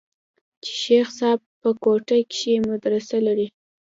چې شيخ صاحب په کوټه کښې مدرسه لري.